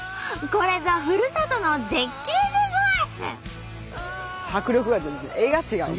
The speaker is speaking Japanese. これぞふるさとの絶景でごわす！